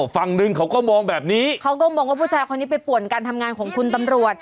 ฝั่งหนึ่งเขาก็มองแบบนี้เขาก็มองว่าผู้ชายคนนี้ไปป่วนการทำงานของคุณตำรวจ